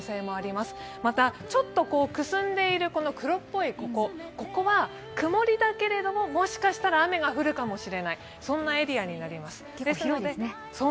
また、ちょっとくすんでいる黒っぽいここは、曇りだけれども、もしかしたら雨が降るかもしれないというエリアになります。